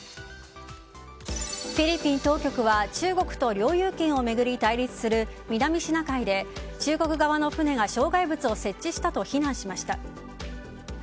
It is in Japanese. フィリピン当局は中国と領有権を巡り対立する南シナ海で中国側の船が障害物を設置したと非難しました。